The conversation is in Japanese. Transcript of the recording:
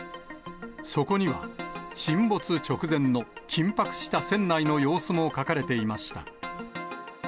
そこには、沈没直前の緊迫した船内の様子も書かれていました。